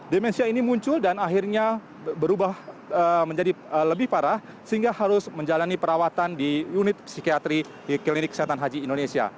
demensia ini muncul dan akhirnya berubah menjadi lebih parah sehingga harus menjalani perawatan di unit psikiatri di klinik kesehatan haji indonesia